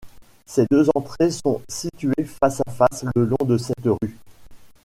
Ses deux entrées sont situées face-à-face le long de cette rue.